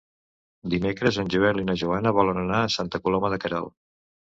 Dimecres en Joel i na Joana volen anar a Santa Coloma de Queralt.